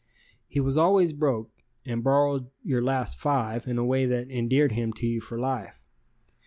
He was always broke and borrowed your last "five" in a way that endeared him to you for life.